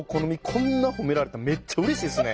こんな褒められたらめっちゃうれしいですね。